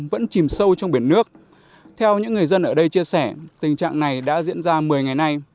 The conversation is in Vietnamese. vẫn chìm sâu trong biển nước theo những người dân ở đây chia sẻ tình trạng này đã diễn ra một mươi ngày nay